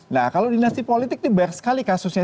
nah kalau dinasti politik ini banyak sekali kasusnya